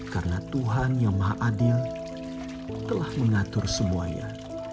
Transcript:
karena tuhan yang maha adil telah mengatur semuanya